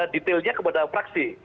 detailnya kepada fraksi